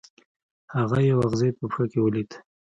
هغه یو اغزی په پښه کې ولید.